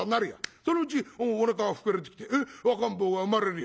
そのうちおなかが膨れてきて赤ん坊が産まれるよ。